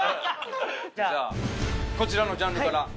じゃあこちらのジャンルから。